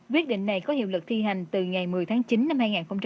quyết định này có hiệu lực thi hành từ ngày một mươi tháng chín năm hai nghìn hai mươi